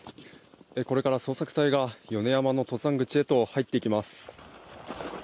これから捜索隊が米山の登山口へと入っていきます。